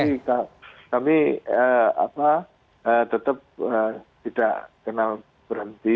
tapi kami tetap tidak kenal berhenti